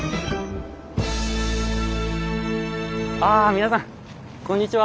ああ皆さんこんにちは。